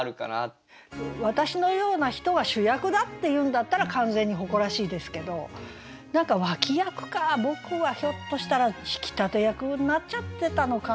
「わたしのような人は主役だ」って言うんだったら完全に誇らしいですけど何か「脇役か僕はひょっとしたら引き立て役になっちゃってたのかな」みたいな。